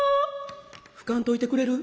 「吹かんといてくれる？